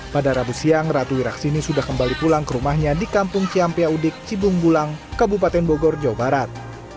pada rabu siang ratu wiraksini sudah kembali pulang ke rumahnya di kampung ciampiaudik cibunggulang kabupaten bogor jawa barat